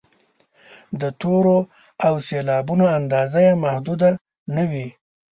د تورو او سېلابونو اندازه یې محدوده نه وي.